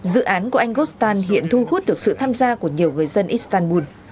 dự án của anh gostan hiện thu hút được sự tham gia của nhiều người dân istanbul